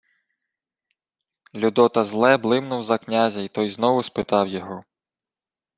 Людота зле блимнув за князя, й той знову спитав його: